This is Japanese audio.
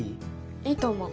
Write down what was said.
いいと思う。